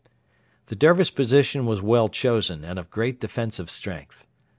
The Dervish position was well chosen and of great defensive strength.